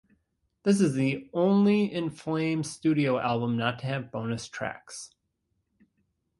This is the only In Flames studio album not to have bonus tracks.